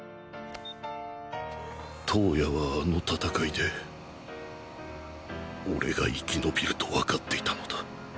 燈矢はあの戦いで俺が生き延びるとわかっていたのだ